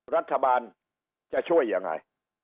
รัฐบาลจะช่วยยังไง